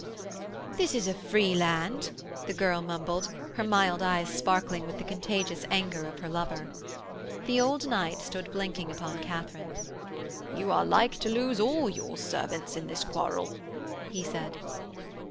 'This is a free land,' the girl mumbled, her mild eyes sparkling with the contagious anger of her lover. The old knight stood blinking upon Katharine. 'You are like to lose all your servants in this quarrel,' he said.